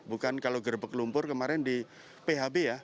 bukan kalau gerbek lumpur kemarin di phb ya